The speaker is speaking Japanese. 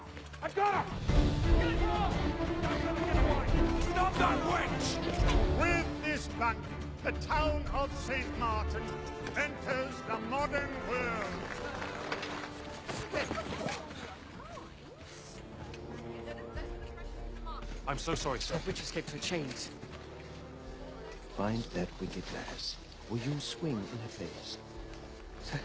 はい。